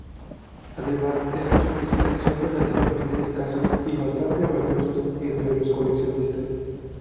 Además estos fusiles son relativamente escasos y bastante valiosos entre los coleccionistas.